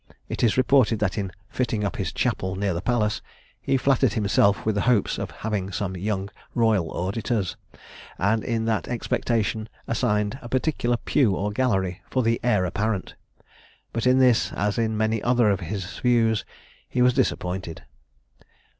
It is reported that in fitting up his chapel near the palace, he flattered himself with the hopes of having some young royal auditors, and in that expectation assigned a particular pew or gallery for the heir apparent. But in this, as in many other of his views, he was disappointed.